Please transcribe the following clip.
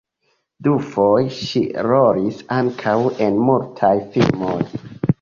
Dufoje ŝi rolis ankaŭ en mutaj filmoj.